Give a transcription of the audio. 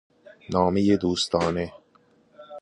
نامه دوستانه